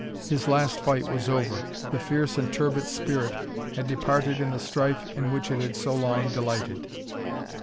His last fight was over, the fierce and turbid spirit had departed in the strife in which it had so long delighted.